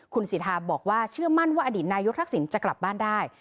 คุณสิทธาบอกว่าเชื่อมั่นว่าอดีตนายกทักษิณจะกลับบ้านได้